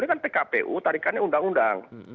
ini kan pkpu tarikannya undang undang